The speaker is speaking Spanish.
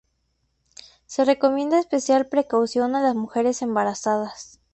Se recomienda especial precaución a las mujeres embarazadas.